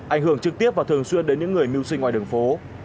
ảnh hưởng trực tiếp và thường xuyên đến những người mưu sinh ngoài đường phố